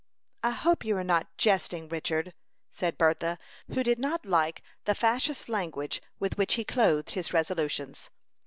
"I hope you are not jesting, Richard," said Bertha, who did not like the facetious language with which he clothed his resolutions.